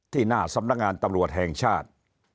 ที่หน้าสำนักงานตำรวจแห่งชาติ